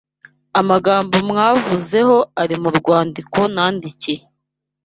Amagambo mwavuzeho ari mu rwandiko nandikiye